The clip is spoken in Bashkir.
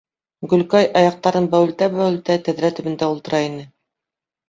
Гөлкәй, аяҡтарын бәүелтә-бәүелтә, тәҙрә төбөндә ултыра ине.